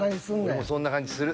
俺もそんな感じする。